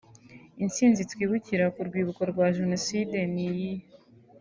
Intsinzi twibukira ku rwibutso rwa jenoside ni iyihe